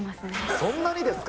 そんなにですか？